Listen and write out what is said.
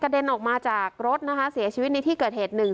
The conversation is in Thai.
เด็นออกมาจากรถนะคะเสียชีวิตในที่เกิดเหตุหนึ่ง